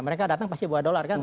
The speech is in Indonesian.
mereka datang pasti buat dollar kan